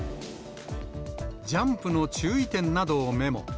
ジャンプの注意点などをメモ。